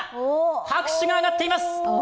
拍手が鳴っています。